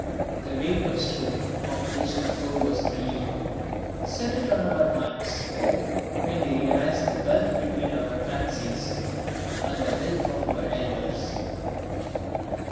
The weight of stone of which the floor was relieved settled on our minds when we realised the gulf between our fancies and the will of our elders.